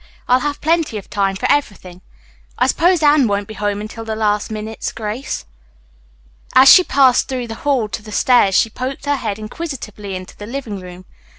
"I'll have plenty of time for everything. I suppose Anne won't be home until the last minute's grace." As she passed through the hall to the stairs she poked her head inquisitively into the living room.